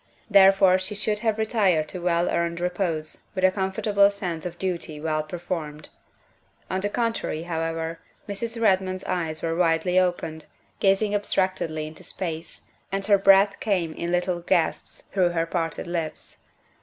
Therefore she should have retired to well earned repose with a comfortable sense of duty well performed. On the contrary, however, Mrs. Redmond's eyes were widely opened, gazing abstractedly into space, and her breath came in little gasps through her parted lips.